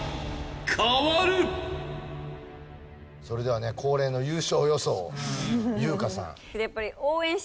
それではね恒例の優勝予想を優香さん。